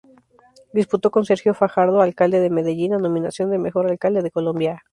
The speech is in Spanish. Disputó con Sergio Fajardo Alcalde de Medellín la nominación de Mejor Alcalde de Colombia.